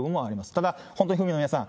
ただ、本当に府民の皆さん、